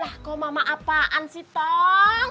lah kok mama apaan sih tong